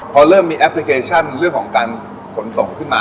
พอเริ่มมีแอปพลิเคชันเรื่องของการขนส่งขึ้นมา